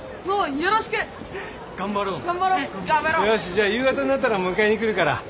よしじゃあ夕方になったら迎えに来るから。